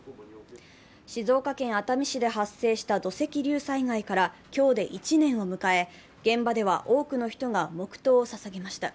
静岡県熱海市で発生した土石流災害から今日で１年を迎え、現場では多くの人が黙とうをささげました。